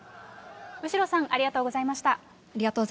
後呂さん、ありがとうございました。